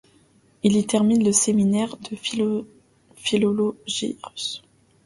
Il y termine le séminaire de philologie russe.